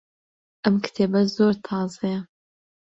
ئەم کتێبە زۆر تازەیە.